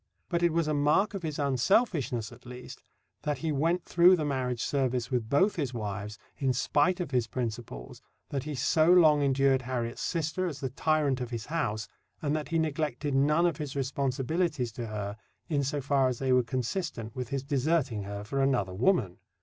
But it was a mark of his unselfishness, at least, that he went through the marriage service with both his wives, in spite of his principles, that he so long endured Harriet's sister as the tyrant of his house, and that he neglected none of his responsibilities to her, in so far as they were consistent with his deserting her for another woman.